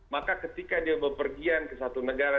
maka ketika dia berpergian ke satu negara